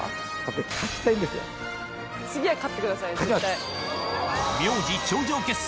次は勝ってください絶対。